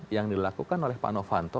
yang dilakukan oleh pak novanto